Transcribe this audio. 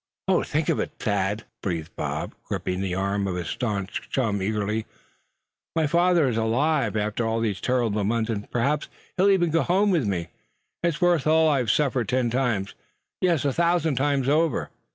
"Oh! to think of it, Thad," Bob breathed, gripping the arm of his staunch chum eagerly; "my father is alive after all these terrible months; and perhaps he'll even go home with me. It's worth all I've suffered ten times, yes a thousand times over."